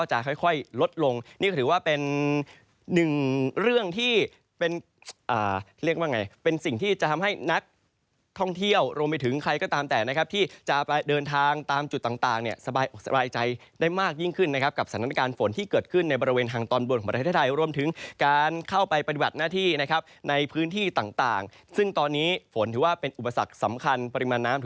จะค่อยลดลงนี่ก็ถือว่าเป็นหนึ่งเรื่องที่เป็นเรียกว่าไงเป็นสิ่งที่จะทำให้นักท่องเที่ยวรวมไปถึงใครก็ตามแต่นะครับที่จะเดินทางตามจุดต่างเนี่ยสบายอกสบายใจได้มากยิ่งขึ้นนะครับกับสถานการณ์ฝนที่เกิดขึ้นในบริเวณทางตอนบนของประเทศไทยรวมถึงการเข้าไปปฏิบัติหน้าที่นะครับในพื้นที่ต่างซึ่งตอนนี้ฝนถือว่าเป็นอุปสรรคสำคัญปริมาณน้ำ